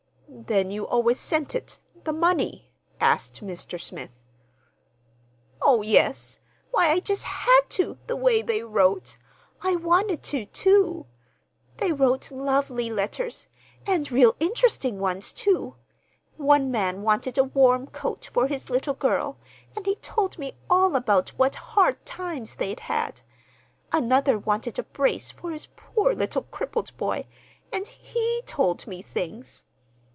"Then you always sent it—the money?" asked Mr. Smith. "Oh, yes. Why, I just had to, the way they wrote; I wanted to, too. They wrote lovely letters, and real interesting ones, too. One man wanted a warm coat for his little girl, and he told me all about what hard times they'd had. Another wanted a brace for his poor little crippled boy, and he told me things.